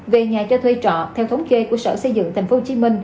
về nhà cho thuê trọ theo thống kê của sở xây dựng tp hcm